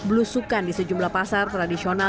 belusukan di sejumlah pasar tradisional